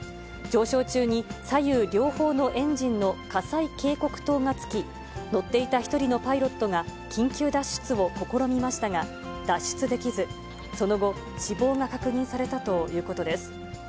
上昇中に左右両方のエンジンの火災警告灯がつき、乗っていた１人のパイロットが緊急脱出を試みましたが、脱出できず、その後、死亡が確認されたということです。